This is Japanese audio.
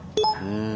うん。